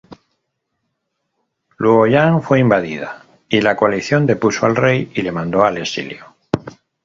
Luoyang fue invadida, y la coalición depuso al rey y le mandó al exilio.